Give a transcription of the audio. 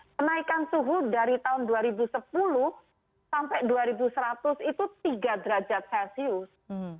kenaikan suhu dari tahun dua ribu sepuluh sampai dua ribu seratus itu tiga derajat celcius